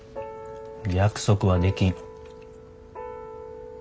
約束はできん。